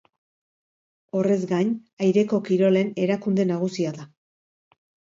Horrez gain, aireko-kirolen erakunde nagusia da.